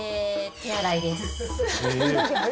手洗いです。